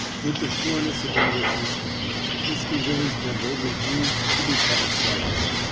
With the sureness of English restraint, Mr. Willy Kimball refused to become excited.